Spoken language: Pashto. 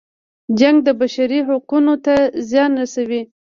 جنګ د بشري حقونو ته زیان رسوي.